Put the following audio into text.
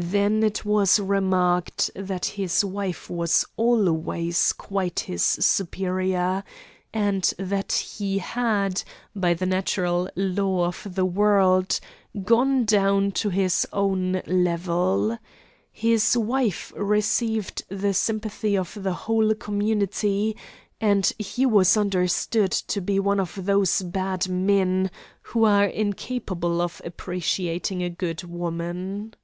Then it was remarked that his wife was always quite his superior; and that he had, by the natural law of the world, gone down to his own level. His wife received the sympathy of the whole community; and he was understood to be one of those bad men who are incapable of appreciating a good woman.